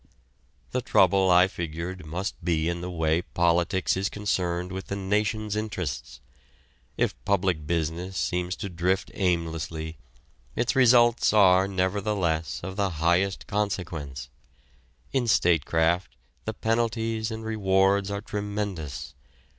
The trouble, I figured, must be in the way politics is concerned with the nation's interests. If public business seems to drift aimlessly, its results are, nevertheless, of the highest consequence. In statecraft the penalties and rewards are tremendous.